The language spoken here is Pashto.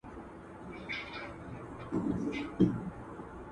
یوې لمبې به سوځولی یمه !.